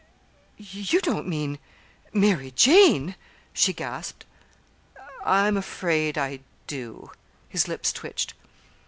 "You don't mean Mary Jane?" she gasped. "I'm afraid I do." His lips twitched.